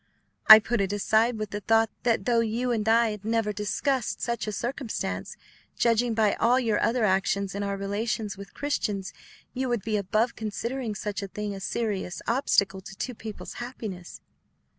I put it aside with the thought that though you and I had never discussed such a circumstance, judging by all your other actions in our relations with Christians, you would be above considering such a thing a serious obstacle to two people's happiness."